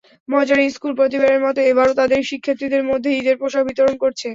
মজার ইশকুল প্রতিবারের মতো এবারও তাদের শিক্ষার্থীদের মধ্যে ঈদের পোশাক বিতরণ করেছে।